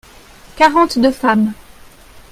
quarante deux femmes.